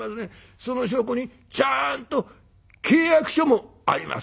その証拠にちゃんと契約書もあります」